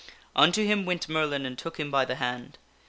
Unto him went Merlin and took him by the hand.